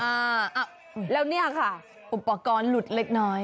อ้าวแล้วเนี่ยค่ะอุปกรณ์หลุดเล็กน้อย